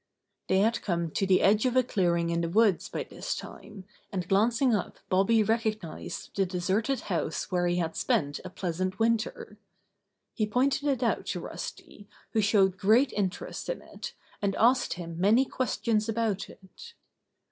They had come to the edge of a clearing in the woods by this time, and glancing up Bobby recognized the deserted house where he had spent a pleasant winter. He pointed it out to Rusty, who showed great interest in it, and asked him many questions about it.